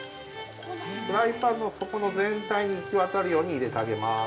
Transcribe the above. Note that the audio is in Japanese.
フライパンの底の全体に行き渡るように入れてあげます。